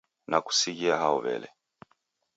Nakusighia hao wele